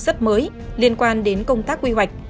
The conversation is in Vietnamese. rất mới liên quan đến công tác quy hoạch